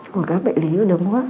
của các bệ lý đường hô hấp